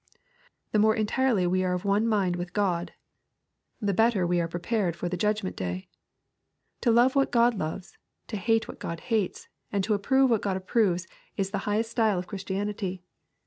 The more entirely we are of one mind with God, the bettei 208 EXPOSITORY TCOUOHTS. we are prepared for the judgment day. To love what God loves, to hate what God hates, and to approve what God approves, is the highest style of Christianity.